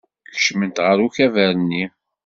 Kecment ɣer ukabar-nni.